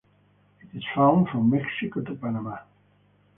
It is found from Mexico to Panama.